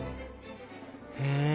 へえ。